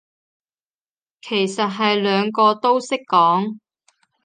其實係兩個都識講